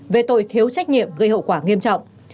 về tội thiếu trách nhiệm gây hậu quả nghiêm trọng